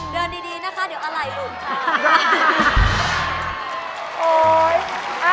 เดินดีนะคะเดี๋ยวอะไหล่ลงค่ะ